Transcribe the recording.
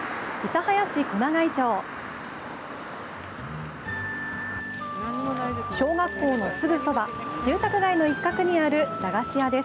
諫早市小長井町小学校のすぐそば住宅街の一角にある駄菓子屋です。